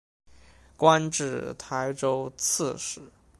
官至台州刺史。